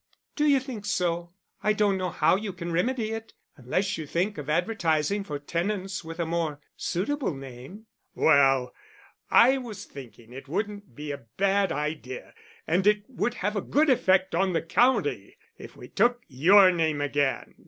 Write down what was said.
"D'you think so? I don't know how you can remedy it unless you think of advertising for tenants with a more suitable name." "Well, I was thinking it wouldn't be a bad idea, and it would have a good effect on the county, if we took your name again."